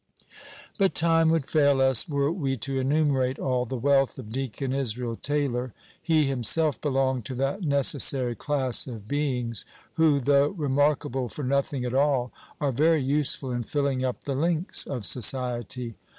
But time would fail us were we to enumerate all the wealth of Deacon Israel Taylor. He himself belonged to that necessary class of beings, who, though remarkable for nothing at all, are very useful in filling up the links of society.